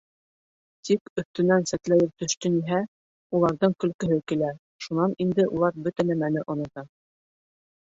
Тик өҫтән сәтләүек төштөниһә, уларҙың көлкөһө килә, шунан инде улар бөтә нәмәне онота.